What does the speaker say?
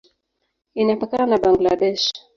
Inapakana na Bangladesh.